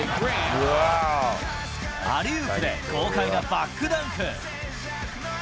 アリウープで豪快なバックダンク。